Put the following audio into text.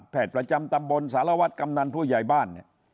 แผดประจำตำบลสารวัตรกำนันผู้ใหญ่บ้าน